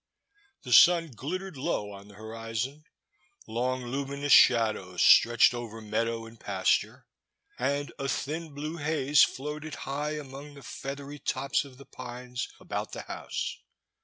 The sun glittered low on the hori zon, long luminous shadows stretched over meadow and pasture, and a thin blue haze floated high among the feathery tops of the pines about the house.